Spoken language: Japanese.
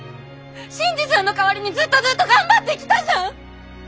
新次さんの代わりにずっとずっと頑張ってきたじゃん！